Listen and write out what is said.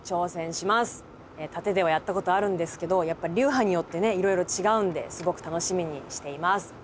殺陣ではやったことあるんですけどやっぱり流派によってねいろいろ違うんですごく楽しみにしています。